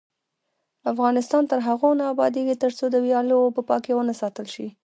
افغانستان تر هغو نه ابادیږي، ترڅو د ویالو اوبه پاکې ونه ساتل شي.